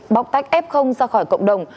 bóc tách f ra khỏi cộng đồng